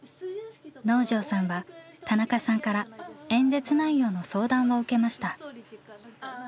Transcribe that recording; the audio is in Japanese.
能條さんは田中さんから演説内容の相談を受けました。